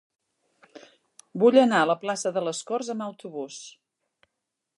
Vull anar a la plaça de les Corts amb autobús.